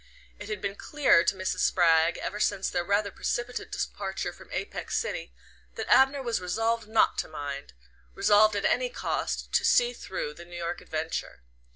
It had been clear to Mrs. Spragg, ever since their rather precipitate departure from Apex City, that Abner was resolved not to mind resolved at any cost to "see through" the New York adventure.